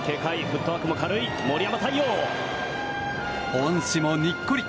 恩師もにっこり。